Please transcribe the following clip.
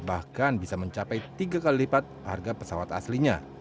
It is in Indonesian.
bahkan bisa mencapai tiga kali lipat harga pesawat aslinya